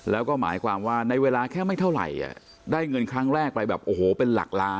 แล้วก็หมายความว่าในเวลาแค่ไม่เท่าไหร่ได้เงินครั้งแรกไปแบบโอ้โหเป็นหลักล้าน